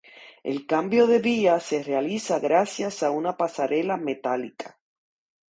El cambio de vía se realiza gracias a una pasarela metálica.